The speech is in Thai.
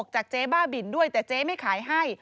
จากเจ๊บ้าบินด้วยแต่เจ๊ไม่ขายให้